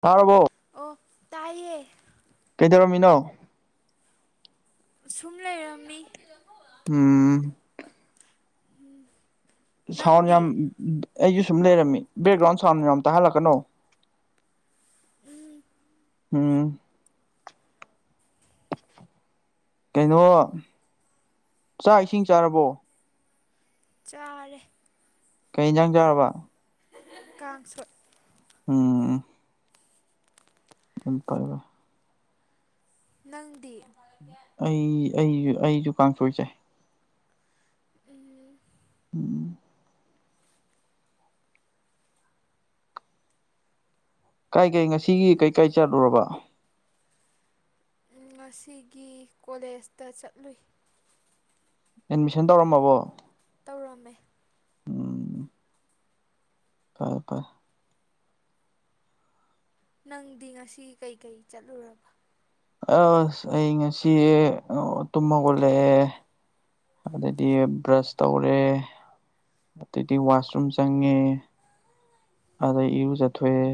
ꯇꯔꯥꯕ꯭ꯔꯣ꯫ ꯑꯣ ꯇꯥꯏꯌꯦ꯫ ꯀꯩꯗꯧꯔꯝꯃꯤꯅꯣ? ꯁꯨꯝ ꯂꯩꯔꯝꯃꯤ꯫ ꯎꯝ꯫ ꯎꯝ꯫ ꯁꯥꯎꯟ ꯌꯥꯝ ꯑꯩꯁꯨ ꯁꯨꯝ ꯂꯩꯔꯝꯃꯤ ꯕꯦꯛꯒ꯭ꯔꯥꯎꯟ ꯁꯥꯎꯟ ꯌꯥꯝ ꯇꯥꯍꯜꯂꯛꯀꯅꯣ꯫ ꯎꯝ꯫ ꯎꯝ ꯀꯩꯅꯣ ꯆꯥꯛ ꯏꯁꯤꯡ ꯆꯥꯔꯕꯣ ꯆꯥꯔꯦ ꯀꯩ ꯏꯖꯥꯡ ꯆꯥꯔꯕ ꯀꯥꯡꯁꯣ ꯎꯝ [unintelligible] ꯅꯪꯗꯤ ꯑꯩ ꯑꯩ ꯑꯩꯖꯨ ꯀꯥꯡꯆꯣꯏ ꯆꯥꯏ ꯎꯝ ꯎꯝ ꯀꯥꯏ ꯀꯩ ꯉꯁꯤꯒꯤ ꯀꯩꯀꯩ ꯆꯠꯂꯨꯔꯕ ꯉꯁꯤꯒꯤ ꯀꯣꯂꯦꯖꯇ ꯆꯠꯂꯨꯏ ꯑꯦꯗꯃꯤꯁꯟ ꯇꯧꯔꯝꯃꯕꯣ ꯇꯧꯔꯝꯃꯦ ꯀꯔ ꯀ ꯅꯪꯗꯤ ꯉꯁꯤ ꯀꯩꯀꯩ ꯆꯠꯂꯨꯔꯕ ꯑꯁ ꯑꯩ ꯉꯁꯤ ꯑ ꯇꯨꯝ ꯍꯩꯒꯠꯂꯛꯑꯦ ꯑꯗꯩꯗꯤ ꯕ꯭ꯔꯁ ꯇꯧꯔꯦ ꯑꯗꯩꯗꯤ ꯋꯥꯁꯔꯨꯝ ꯆꯪꯉꯦ ꯑꯗꯩ ꯏꯔꯨꯖꯊꯣꯛꯑꯦ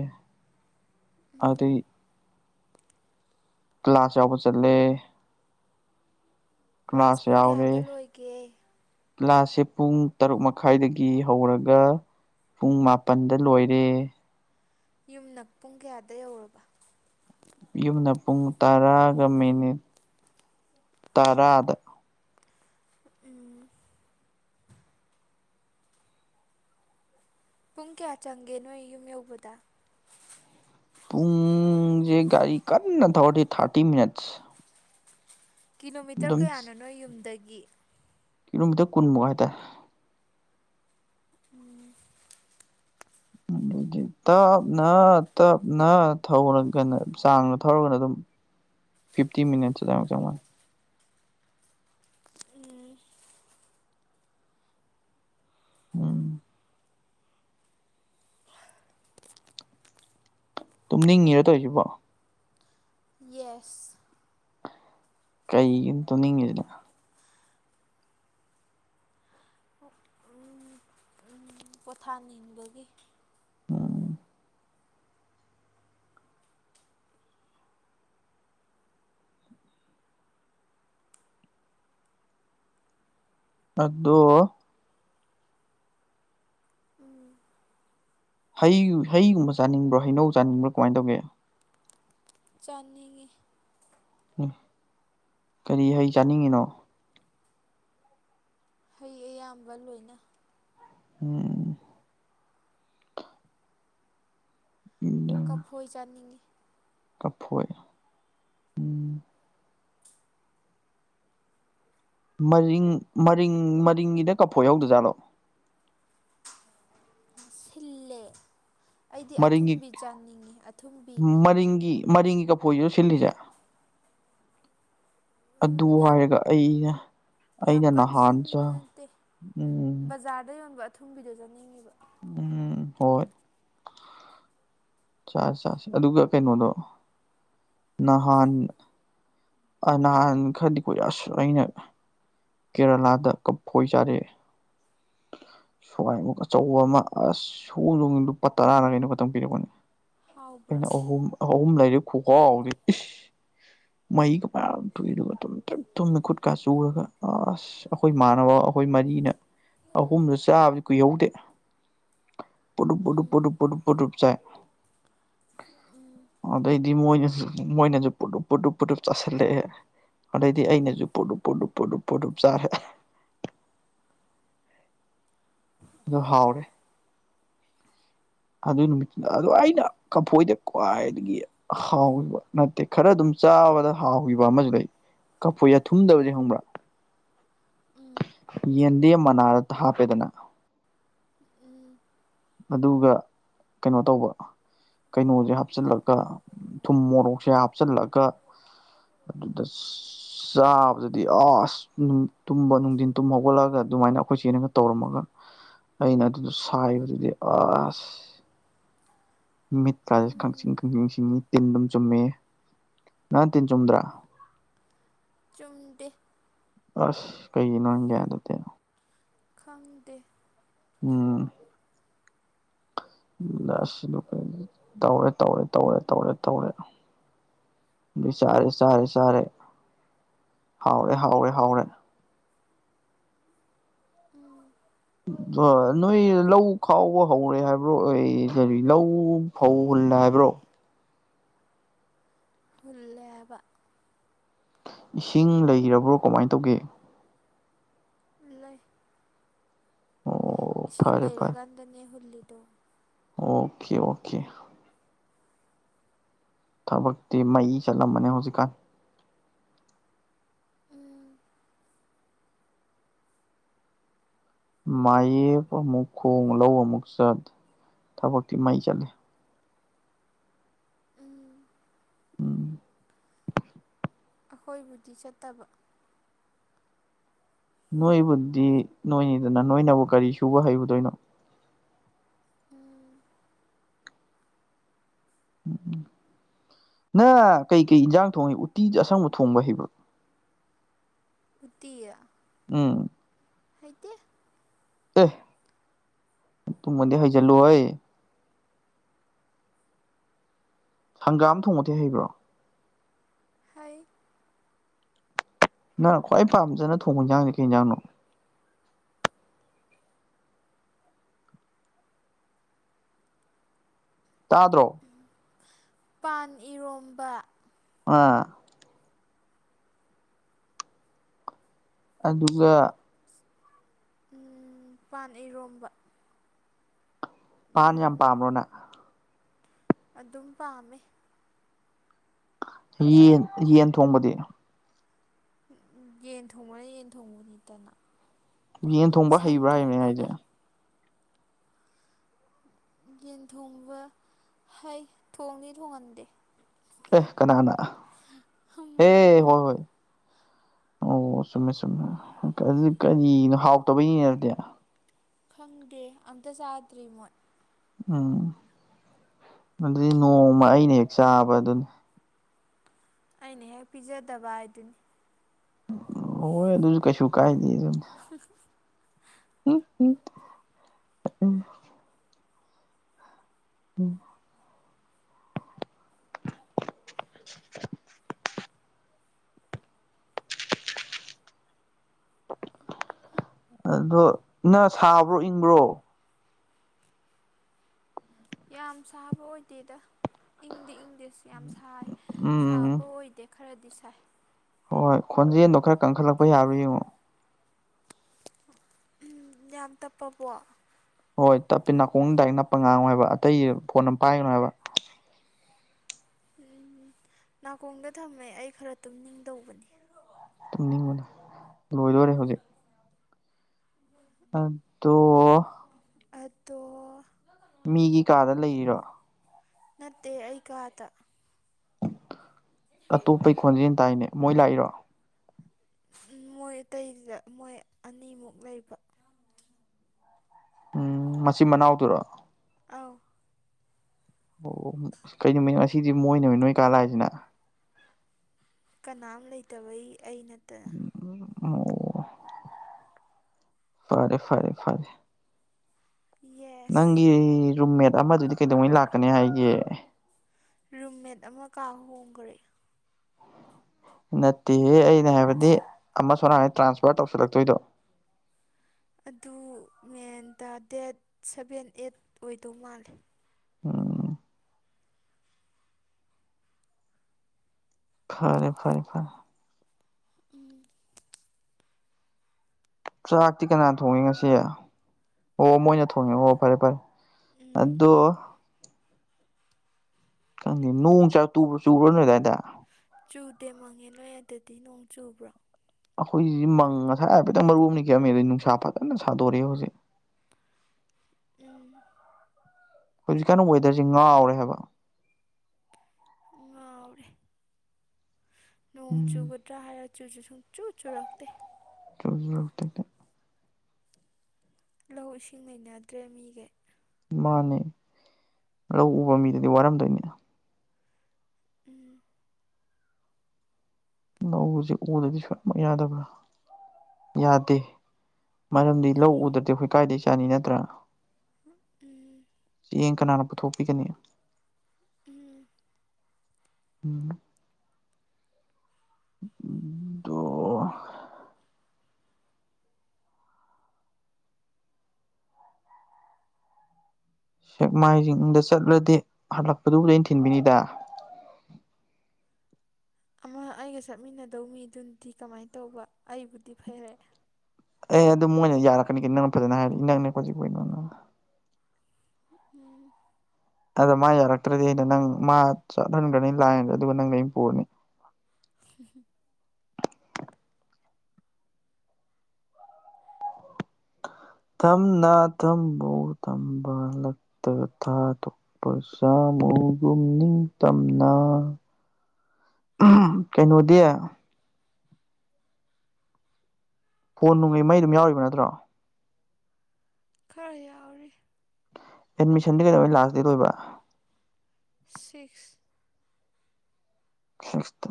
ꯎꯝ ꯑꯥꯗꯩ ꯀ꯭ꯂꯥꯁ ꯌꯥꯎꯕ ꯆꯠꯂꯦ ꯀ꯭ꯂꯥꯁ ꯄꯨꯡ ꯀꯌꯥꯗ ꯂꯣꯏꯒꯦ ꯀ꯭ꯂꯥꯁꯁꯦ ꯄꯨꯡ ꯇꯔꯨꯛ ꯃꯈꯥꯏꯗꯒꯤ ꯍꯧꯔꯒ ꯄꯨꯡ ꯃꯥꯄꯟꯗ ꯂꯣꯏꯔꯦ ꯌꯨꯝꯅ ꯄꯨꯡ ꯀꯌꯥꯗ ꯌꯧꯔꯕ ꯌꯨꯝꯅ ꯄꯨꯡ ꯇꯔꯥꯒ ꯃꯤꯅꯤꯠ ꯇꯔꯥꯗ ꯎꯝ ꯄꯨꯡ ꯀꯌꯥ ꯆꯪꯒꯦ ꯅꯣꯏ ꯌꯨꯝ ꯌꯧꯕꯗ ꯄꯨꯡꯖꯦ ꯒꯥꯔꯤ ꯀꯟꯅ ꯊꯧꯔꯗꯤ ꯊꯥꯔꯇꯤ ꯃꯤꯅꯠꯁ ꯀꯤꯂꯣꯃꯤꯇꯔ ꯑꯗꯨꯝ ꯀꯌꯥꯅꯣ ꯅꯣꯏ ꯌꯨꯝꯗꯒꯤ ꯀꯤꯂꫭꯃꯤꯇꯔ ꯀꯨꯟꯃꯨꯛ ꯍꯥꯏꯇꯥꯔꯦ ꯎꯝ ꯑꯗꯨꯗꯤ ꯇꯞꯅ ꯇꯞꯅ ꯊꯧꯔꯒꯅ ꯆꯥꯡꯗ ꯊꯧꯔꯒꯅ ꯑꯗꯨꯝ [inaudible] ꯐꯤꯐꯇꯤ ꯃꯤꯅꯠꯁꯑꯗꯥꯏꯃꯨꯛ ꯆꯪ ꯃꯥꯜ ꯎꯝ ꯎꯝ ꯇꯨꯝꯅꯤꯡꯉꯤꯔ ꯇꯧꯏꯖꯤꯕꯣ ꯌꯦꯁ ꯀꯩꯒꯤꯅ ꯇꯨꯝꯅꯤꯡꯉꯤꯗꯨꯅ ꯎꯝ ꯎꯝ ꯄꯣꯊꯥꯅꯤꯡꯕꯒꯤ ꯎꯝ ꯑꯗꯗꯣ ꯎꯝ ꯍꯩ ꯍꯩꯒꯨꯝꯕ ꯆꯥꯅꯤꯡꯕ꯭ꯔꯣ ꯍꯩꯅꯧ ꯆꯥꯅꯤꯡꯕ꯭ꯔꯣ ꯀꯃꯥꯏ ꯇꯧꯒꯦ ꯆꯥꯅꯤꯉꯤ ꯎꯪ ꯀꯔꯤ ꯍꯩ ꯆꯥꯅꯤꯡꯉꯤꯅꯣ ꯍꯩ ꯑꯌꯥꯝꯕ ꯂꯣꯏꯅ ꯎꯝ [unintelligible] ꯀꯐꯣꯏ ꯆꯥꯅꯤꯡꯉꯤ ꯀꯐꯣꯏ ꯎꯝ ꯃꯔꯤꯡ ꯃꯔꯤꯡ ꯃꯔꯤꯡꯒꯤꯗ ꯀꯐꯣꯏ ꯌꯥꯎꯗꯖꯥꯠꯂꯣ ꯁꯤꯜꯂꯦ ꯑꯩꯗꯤ ꯃꯔꯤꯡꯒꯤ ꯑꯊꯨꯝꯕꯤ ꯆꯥꯅꯤꯡꯉꯤ ꯑꯊꯨꯝꯕꯤ ꯃꯔꯤꯡꯒꯤ ꯃꯔꯤꯡꯒꯤ ꯀꯐꯣꯏꯁꯤꯔꯣ ꯁꯤꯜꯂꯤꯁꯦ ꯑꯗꯨ ꯌꯥꯝ ꯍꯥꯏꯔꯒ ꯑꯩꯅ ꯌꯥꯝ ꯑꯩꯅ ꯀꯟꯅ ꯅꯍꯥꯟ ꯁꯤꯟꯕ ꯆꯥ ꯅꯠꯇꯦ ꯎꯝ ꯕꯖꯥꯔꯗ ꯌꯣꯟꯕ ꯑꯊꯨꯝꯕꯤꯗꯣ ꯆꯥꯅꯤꯡꯉꯤꯕ ꯎꯝ ꯍꯣꯏ ꯆꯥꯁꯤ ꯆꯁꯤ ꯑꯗꯨꯒ ꯀꯩꯅꯣꯗꯣ ꯅꯍꯥꯟ ꯑꯥ ꯅꯍꯥꯟ ꯈꯔꯗꯤ ꯀꯨꯏꯔꯦ ꯑꯁ ꯑꯩꯅ ꯀꯦꯔꯂꯥꯗ ꯀꯐꯣꯏ ꯆꯥꯔꯛꯑꯦ ꯁ꯭ꯋꯥꯏꯃꯨꯛ ꯑꯆꯧꯕ ꯑꯃ ꯑꯁ [unintelligible] ꯂꯨꯄꯥ ꯇꯔꯥꯅ ꯀꯩꯅꯣ ꯈꯛꯇꯪ ꯄꯤꯔꯛꯄꯅꯦ ꯍꯥꯎꯕ꯭ꯔꯥ ꯑꯩꯅ ꯑꯍꯨꯝ ꯑꯍꯨꯝ ꯂꯩꯔꯑꯦ ꯈꯨꯍꯥꯎꯗꯤ ꯃꯍꯤꯒ ꯐꯥꯌꯥꯝ ꯊꯣꯛꯑꯦ ꯑꯗꯨꯒ [unintelligible] ꯗꯨꯝ ꯇꯨꯝꯅ ꯈꯨꯠꯀꯥ ꯆꯨꯔꯒ ꯑꯁ ꯑꯩꯈꯣꯏ ꯃꯅꯕꯥꯎ ꯑꯩꯈꯣꯏ ꯃꯔꯤꯅ ꯑꯍꯨꯝꯗꯨ ꯆꯥꯕꯗꯤ ꯀꯨꯏꯍꯧꯗꯦ ꯄꯗꯨꯨꯞ ꯄꯗꯨꯨꯞ ꯎꯝ ꯄꯗꯨꯨꯞ ꯄꯗꯨꯨꯞ ꯄꯗꯨꯨꯞ ꯆꯥꯏ ꯎꯝ ꯑꯗꯩꯗꯤ ꯃꯣꯏꯅꯁꯨ ꯃꯣꯏꯅꯁꯨ ꯄꯨꯗꯨꯞ ꯄꯨꯗꯨꯞ ꯄꯣꯗꯨꯞ ꯆꯥꯁꯤꯜꯂꯛꯑꯦ ꯑꯗꯩꯗꯤ ꯎꯝ ꯑꯩꯅꯁꯨ ꯄꯨꯗꯨꯞ ꯄꯣꯗꯨꯞ ꯄꯣꯗꯨꯞ ꯄꯨꯗꯨꯞ ꯆꯥꯔꯦ ꯑꯗꯨ ꯎꯝ ꯍꯥꯎꯔꯦ ꯑꯗꯨ ꯅꯨꯃꯤꯠꯇꯨꯅ ꯑꯗꯣ ꯑꯩꯅ ꯀꯐꯣꯏꯗ ꯈ꯭ꯋꯥꯏꯗꯒꯤ ꯍꯥꯎꯈꯤꯕ ꯅꯠꯇꯦ ꯈꯔ ꯑꯗꯨꯝ ꯆꯥꯕꯗ ꯍꯥꯎꯈꯤꯕ ꯑꯃꯁꯨ ꯂꯩ ꯀꯥꯐꯣꯏꯖꯦ ꯊꯨꯝꯗꯕꯖꯦ ꯈꯪꯕ꯭ꯔꯥ ꯎꯝ ꯌꯦꯟꯗꯦꯝ ꯃꯅꯥꯗ ꯍꯥꯞꯄꯦꯗꯅ ꯎꯝ ꯑꯗꯨꯒ ꯀꯩꯅꯣ ꯇꯧꯕ ꯑꯗꯨꯒ ꯀꯩꯅꯣꯁꯦ ꯍꯥꯞꯆꯤꯜꯂꯒ ꯊꯨꯝ ꯃꯣꯔꯣꯛꯁꯦ ꯍꯥꯞꯆꯤꯜꯂꯒ ꯑꯗꯨꯗ ꯆꯥꯕꯗꯨꯗꯤ ꯑꯁ ꯅꯨꯡ ꯇꯨꯝꯕ ꯅꯨꯡꯗꯤꯟ ꯇꯨꯝꯕ ꯍꯧꯒꯠꯂꯒ ꯑꯗꯨꯃꯥꯏꯅ ꯑꯈꯣꯏ ꯆꯦꯅꯒ ꯇꯧꯔꯝꯃꯒ ꯑꯩꯅ ꯑꯗꯨꯗꯣ ꯁꯥꯏꯕꯗꯨꯗꯤ ꯑꯁ ꯃꯤꯠ ꯀꯥꯁꯤ ꯎꯝ ꯈꯪꯁꯤꯡ ꯈꯪꯁꯤꯡ ꯁꯤꯡꯏ ꯇꯤꯟ ꯗꯨꯝ ꯆꯨꯝꯃꯦꯍꯦ ꯅꯪ ꯇꯤꯟ ꯆꯨꯝꯗ꯭ꯔꯥ ꯆꯨꯝꯗꯦ ꯑꯁ ꯀꯩꯒꯤꯅꯣ ꯅꯪꯗꯤ ꯑꯗꯨꯗꯤ ꯈꯪꯗꯦ ꯎꯝ ꯎ [unintelligible] ꯇꯧꯔꯦ ꯇꯧꯔꯦ ꯇꯧꯔꯦ ꯇꯧꯔꯦ ꯇꯧꯔꯦ ꯑꯗꯩ ꯆꯥꯔꯦ ꯆꯥꯔꯦ ꯆꯥꯔꯦ ꯍꯥꯎꯔꯦ ꯍꯥꯎꯔꯦ ꯍꯥꯎꯔꯦ ꯎꯝ [unintelligible] ꯅꯣꯏ ꯂꯧ ꯈꯥꯎꯕ ꯍꯧꯔꯦ ꯍꯥꯏꯕ꯭ꯔꯣ ꯑꯦ ꯀꯥꯔꯤ ꯂꯧ ꯐꯧ ꯍꯨꯜꯂꯦ ꯍꯥꯏꯕ꯭ꯔꯣ ꯍꯨꯜꯂꯦ ꯍꯥꯏꯕ ꯏꯁꯤꯡ ꯂꯩꯔꯕ꯭ꯔꯣ ꯀꯃꯥꯏ ꯇꯧꯒꯦ ꯂꯩ ꯑꯣ ꯏꯁꯤꯡ ꯐꯔꯦ ꯐꯔꯦ ꯂꯩꯔꯀꯥꯟꯗꯅꯦ ꯍꯨꯜꯂꯤꯗꯣ ꯑꯣꯀꯦ ꯑꯣꯀꯦ ꯊꯕꯛꯇꯤ ꯃꯩ ꯆꯠꯂꯝ ꯃꯅꯤ ꯍꯧꯖꯤꯀꯥꯟ ꯎꯝ ꯃꯥꯌꯦꯞ ꯑꯃꯨꯛ ꯈꯣꯡ ꯂꯧ ꯑꯃꯨꯛ ꯆꯠ ꯊꯕꯛꯇꯤ ꯃꯩ ꯆꯠꯂꯦ ꯎꯝ ꯑꯈꯣꯏꯕꯨꯗꯤ ꯆꯠꯇꯕ ꯅꯣꯏꯕꯨꯗꯤ ꯅꯣꯏꯅꯤꯗꯅ ꯅꯣꯏꯅꯕꯨ ꯀꯔꯤ ꯁꯨꯕ ꯍꯩꯕꯗꯣꯏꯅꯣ ꯎꯝ ꯎꯝ ꯎꯝ ꯅꯪ ꯀꯩꯀꯩ ꯏꯟꯖꯥꯡ ꯊꯣꯡꯍꯩ ꯎꯇꯤꯗ ꯑꯁꯪꯕ ꯊꯣꯡꯕ ꯍꯩꯕ꯭ꯔꯣ ꯎꯇꯤ ꯎꯝ ꯍꯩꯇꯦ ꯑꯦ ꯇꯨ ꯃꯗꯤ ꯍꯩꯖꯜꯂꯨꯍꯦ ꯍꯪꯒꯥꯝ ꯊꯣꯡꯕꯗꯤ ꯍꯩꯕ꯭ꯔꯣ ꯍꯩ ꯅꯪꯅ ꯈ꯭ꯋꯥꯏ ꯄꯥꯝꯖꯅ ꯊꯣꯡꯕ ꯏꯟꯖꯥꯡꯁꯦ ꯀꯩ ꯏꯟꯖꯥꯡꯅꯣ ꯇꯥꯗ꯭ꯔꯣ ꯄꯥꯟ ꯏꯔꯣꯝꯕ ꯑ [unintelligible] ꯑꯗꯨꯒ ꯎꯝ ꯄꯥꯟ ꯏꯔꯣꯝꯕ ꯄꯥꯟ ꯌꯥꯝ ꯎꯝ ꯄꯥꯝꯕ꯭ꯔꯣꯅ ꯑꯗꯨꯝ ꯄꯥꯝꯃꯦ ꯌꯦꯟ ꯌꯦꯟ ꯊꯣꯡꯕꯗꯤ ꯌꯦꯟ ꯊꯣꯡꯕꯅ ꯌꯦꯟ ꯊꯣꯡꯕꯅꯤꯗꯅ ꯌꯦꯟ ꯊꯣꯡꯕ ꯁꯟ ꯍꯩꯕ꯭ꯔꯥ ꯍꯥꯏꯕꯅꯦ ꯍꯥꯏꯁꯦ ꯊꯣꯡꯕꯒ ꯌꯦꯟ ꯊꯣꯡꯕ ꯍꯩ ꯊꯣꯡꯗꯤ ꯊꯣꯡꯍꯟꯗꯦ ꯑꯦ ꯀꯅꯥꯅ ꯑꯦ ꯃꯣꯏꯅ ꯍꯣꯏ ꯍꯣꯏ ꯑꯣ ꯆꯨꯝꯃꯦ ꯆꯨꯝꯃꯦ ꯑꯗꯨꯗꯤ ꯀꯔꯤꯅꯣ ꯍꯥꯎꯇꯕꯩꯅꯤꯅꯦ ꯑꯗꯨꯗꯤ ꯈꯪꯗꯦ ꯑꯝꯇ ꯆꯥꯗ꯭ꯔꯤ ꯃꯣꯏ ꯎꯝ ꯑꯗꯨꯗꯤ ꯅꯣꯡꯃ ꯑꯩꯅ ꯍꯦꯛ ꯆꯥꯕꯗꯨꯅꯤ ꯑꯩꯅ ꯍꯦꯛ ꯄꯤꯖꯗꯕ ꯍꯥꯏꯗꯨꯅꯤ ꯍꯣꯏ ꯑꯗꯨꯁꯨ ꯀꯩꯁꯨ ꯀꯥꯏꯗꯦ ꯗꯨꯅꯦ [unintelligible] ꯎꯝ ꯎꯝ ꯎꯝ [unintelligible] ꯑꯣ [unintelligible] [unintelligible] ꯑꯗꯣ ꯅꯪ ꯁꯥꯕ꯭ꯔꯣ ꯏꯪꯕ꯭ꯔꯣ ꯌꯥꯝ ꯁꯥꯕ ꯑꯣꯏꯗꯦꯗ ꯏꯪꯗꯤ ꯏꯪꯗꯦꯁ ꯌꯥꯝ ꯁꯥꯏ ꯎꯝ ꯁꯥꯕ ꯑꯣꯏꯗꯦ ꯈꯔꯗꯤ ꯁꯥꯏ ꯍꯣꯏ ꯈꯣꯟꯖꯦꯜꯗꯣ ꯈꯔ ꯀꯟꯈꯠꯂꯛꯄ ꯌꯥꯕ꯭ꯔꯥ ꯌꯦꯡꯉꯣ ꯌꯥꯝ ꯇꯞꯄꯕꯣ ꯍꯣꯏ ꯇꯞꯄꯤ ꯅꯥꯀꯣꯡꯗꯥꯏꯛ ꯅꯞꯄ ꯉꯥꯡꯉꯣ ꯍꯥꯏꯕ ꯑꯇꯩ ꯐꯣꯟ ꯑꯝ ꯄꯥꯏꯒꯅꯣ ꯍꯥꯏꯕ ꯎꯝ [unintelligible] ꯅꯥꯀꯣꯡꯗ ꯊꯝꯃꯦ ꯑꯩ ꯈꯔ ꯇꯨꯝꯅꯤꯡꯗꯧꯕꯅꯤ ꯇꯨꯝꯅꯤꯡꯕꯅ ꯂꯣꯏꯗꯣꯔꯦ ꯍꯧꯖꯤꯛ ꯎꯝ ꯑꯗꯣ ꯑꯗꯣ ꯃꯤꯒꯤ ꯀꯥꯗ ꯂꯩꯔꯤꯔꯣ ꯅꯠꯇꯦ ꯑꯩ ꯀꯥꯗ ꯑꯇꯣꯞꯄꯒꯤ ꯈꯣꯟꯖꯦꯜ ꯇꯥꯏꯅꯦ ꯃꯣꯏ ꯂꯥꯛꯏꯔꯣ ꯃꯣꯏ ꯑꯇꯩꯁꯤꯗ ꯃꯣꯏ ꯑꯅꯤꯃꯨꯛ ꯂꯩꯕ ꯎꯝ ꯃꯆꯤꯝ ꯃꯅꯥꯎꯗꯨꯔꯣ ꯑꯥꯎ ꯑꯣ ꯀꯩ ꯅꯨꯃꯤꯠꯅꯣ ꯉꯁꯤꯗꯤ ꯃꯣꯏꯅ ꯑꯣꯏꯅ ꯅꯣꯏ ꯀꯥ ꯂꯥꯛꯏꯁꯤꯅ ꯀꯅꯥꯝ ꯂꯩꯇꯕꯩ ꯑꯩ ꯅꯠꯇꯅ ꯑꯣ ꯐꯔꯦ ꯐꯔꯦ ꯐꯔꯦ ꯌꯦꯁ ꯅꯪꯒꯤ ꯔꯨꯝꯃꯦꯠ ꯑꯃꯗꯨꯗꯤ ꯀꯩꯗꯧꯉꯩ ꯂꯥꯛꯀꯅꯤ ꯍꯥꯏꯒꯦ ꯔꯨꯝꯃꯦꯠ ꯑꯃ ꯀꯥ ꯍꯣꯡꯈꯔꯦ ꯅꯠꯇꯦꯍꯦ ꯑꯩꯅ ꯍꯥꯏꯕꯗꯤ ꯑꯃ ꯁꯣꯝꯅꯀꯥꯟ ꯇ꯭ꯔꯥꯟꯁꯐꯔ ꯇꯧꯁꯤꯜꯂꯛꯇꯣꯏꯗꯣ ꯑꯗꯨ ꯃꯦꯟꯇ ꯗꯦꯠ ꯁꯚꯦꯟ ꯑꯩꯠ ꯑꯣꯏꯗꯧ ꯃꯥꯜꯂꯦ ꯎꯝ ꯐꯔꯦ ꯐꯔꯦ ꯐꯔꯦ ꯎꯝ ꯆꯥꯛꯇꯤ ꯀꯅꯥ ꯊꯣꯡꯉꯤ ꯉꯁꯤ ꯑꯣ ꯃꯣꯏꯅ ꯊꯣꯡꯉꯦ ꯑꯣ ꯐꯔꯦ ꯐꯔꯦ ꯎꯝ ꯑꯗꯣ ꯈꯪꯗꯦ ꯅꯣꯡ ꯆꯥꯛ ꯇꯨꯕ꯭ꯔꯣ ꯆꯨꯕ꯭ꯔꯣ ꯅꯣꯏ ꯑꯗꯥꯏꯗ ꯆꯨꯗꯦ ꯃꯪꯉꯦ ꯅꯣꯏ ꯑꯗꯗꯤ ꯅꯣꯡ ꯆꯨꯕ꯭ꯔꯣ ꯑꯈꯣꯏꯁꯤ ꯃꯪ ꯉꯁꯥꯏ ꯍꯥꯏꯐꯦꯠꯇꯪ ꯃꯔꯨ ꯑꯃꯅꯤ ꯈꯤꯛꯑꯝꯃꯦ ꯑꯗꯩ ꯅꯨꯡꯁꯥ ꯐꯖꯅ ꯁꯥꯗꯣꯔꯛꯑꯦ ꯍꯧꯖꯤꯛ ꯎꯝ ꯍꯧꯖꯤꯛꯀꯥꯟꯅ ꯋꯦꯗꯔꯁꯦ ꯉꯥꯎꯔꯦ ꯍꯥꯏꯕ ꯑꯥꯎꯔꯦ ꯅꯣꯡ ꯎꯝ ꯆꯨꯒꯗ꯭ꯔꯥ ꯍꯥꯏꯔꯒ ꯆꯨꯖꯨ ꯁꯨꯡꯆꯨ ꯆꯨꯔꯛꯇꯦ [unintelligible] ꯂꯧ ꯏꯁꯤꯡ ꯂꯩꯅꯗ꯭ꯔꯦ ꯃꯤꯒꯩ ꯃꯥꯅꯦ ꯂꯧ ꯎꯕ ꯃꯤꯗꯗꯤ ꯋꯥꯔꯝꯗꯣꯏꯅꯦ ꯎꯝ ꯂꯧꯁꯦ ꯎꯗꯗꯤ ꯁꯨꯌꯥꯃꯛ ꯌꯥꯗꯕ꯭ꯔꯥ ꯌꯥꯗꯦ ꯃꯔꯝꯗꯤ ꯂꯧ ꯎꯗ꯭ꯔꯗꯤ ꯑꯈꯣꯏ ꯀꯥꯏꯗꯒꯤ ꯆꯥꯅꯤ ꯅꯠꯇ꯭ꯔꯥ ꯎꯝ ꯆꯦꯡ ꯀꯅꯥꯅ ꯄꯨꯊꯣꯛꯄꯤꯒꯅꯤ ꯎꯝ ꯎꯝ ꯎꯗꯣ ꯁꯦꯛꯃꯥꯏꯖꯤꯡꯗ ꯆꯠꯂꯗꯤ ꯍꯜꯂꯛꯄꯗꯨꯕꯨꯗꯤ ꯑꯩꯅ ꯊꯤꯟꯕꯤꯅꯤꯗ ꯑꯃ ꯑꯩꯒ ꯆꯠꯃꯤꯟꯅꯗꯧ ꯃꯤꯗꯨꯅꯗꯤ ꯀꯃꯥꯏꯅ ꯇꯧꯕ ꯑꯩꯕꯨꯗꯤ ꯐꯩꯔꯦ ꯑꯦ ꯑꯗꯨ ꯃꯣꯏꯅ ꯌꯥꯔꯛꯀꯅꯤ ꯀꯩꯅꯣ ꯅꯪꯅ ꯐꯖꯅ ꯍꯥꯏꯔꯗꯤ ꯏꯅꯛ ꯅꯛꯄꯁꯤꯕꯨ ꯀꯩꯅꯣꯅ ꯎꯝ ꯑꯗ ꯃꯥ ꯌꯥꯔꯛꯇ꯭ꯔꯗꯤ ꯑꯩꯅ ꯅꯪ ꯃꯥ ꯆꯠꯍꯟꯈ꯭ꯔꯅꯤ ꯂꯥꯏꯟꯗ ꯑꯗꯨꯒ ꯅꯪꯅ ꯑꯩꯅ ꯄꯨꯔꯅꯤ [unintelligible] ꯊꯝꯅꯥ ꯊꯝꯕꯧ ꯊꯝꯕꯥꯜ ꯂꯛꯇ ꯊꯥꯗꯣꯛ ꯄ ꯁꯥꯃꯨꯒꯨꯝ ꯅꯤꯡꯇꯝꯅ ꯀꯩꯅꯣꯗꯤ ꯐꯣꯟ ꯅꯨꯡꯉꯩ ꯃꯩ ꯑꯗꯨꯝ ꯌꯥꯎꯔꯤꯕ ꯅꯠꯇ꯭ꯔꯣ ꯈꯔ ꯌꯥꯎꯔꯤ ꯑꯦꯠꯃꯤꯁꯟꯗꯤ ꯀꯩꯗꯧꯉꯩ ꯂꯥꯁ ꯗꯦꯠ ꯑꯣꯏꯕꯥ ꯁꯤꯛꯁ ꯁꯤꯛꯁꯇꯥ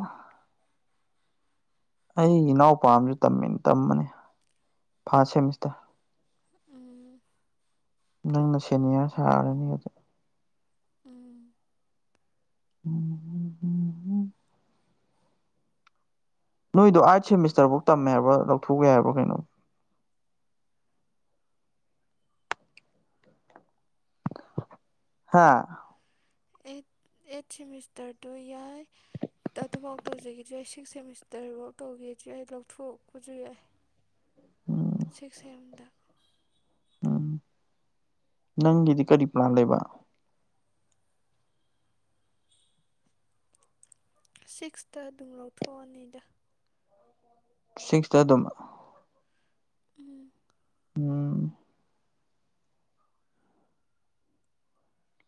ꯑꯩꯒꯤ ꯏꯅꯥꯎꯄꯥ ꯑꯃꯁꯨ ꯇꯝꯃꯤ ꯇꯝꯕꯅꯤ ꯐꯥꯔꯁ ꯁꯦꯃꯤꯁꯇꯔ ꯎꯝ ꯅꯪꯅ ꯁꯦꯅꯤꯌꯔ ꯁꯥꯔꯅꯤ ꯍꯧꯖꯤꯛ ꯎꯝ [unintelligible] ꯅꯣꯏꯗꯣ ꯑꯥꯏꯠ ꯁꯦꯃꯤꯁꯇꯔꯐꯧ ꯇꯝꯃꯦ ꯍꯥꯏꯕ꯭ꯔꯥ ꯂꯧꯊꯣꯛꯎꯨꯏ ꯍꯥꯏꯕ꯭ꯔꯥ ꯀꯩꯅꯣ ꯍꯥꯥ ꯑꯦꯠ ꯑꯦꯠ ꯁꯦꯃꯤꯁꯇꯔ ꯗꯨ ꯌꯥꯏ ꯑꯗꯨꯐꯥꯎ ꯇꯧꯖꯒꯦꯁꯨ ꯌꯥꯏ ꯁꯤꯛꯁ ꯁꯦꯃꯤꯁꯇꯔꯐꯧ ꯇꯧꯒꯦꯁꯨ ꯌꯥꯏ ꯇꫭꯛꯊꯣꯛꯄꯁꯨ ꯌꯥꯏ ꯎꯝ ꯁꯤꯛꯁ ꯁꯦꯝꯗ ꯎꯝ ꯅꯪꯒꯤꯗꯤ ꯀꯔꯤ ꯄ꯭ꯂꯥꯟ ꯂꯩꯕ ꯁꯤꯛꯁꯇꯥ ꯑꯗꯨꯝ ꯂꯧꯊꯣꯛꯑꯅꯤꯗ ꯁꯤꯛꯁꯇ ꯑꯗꯨꯝ ꯎꯝ ꯎꯝ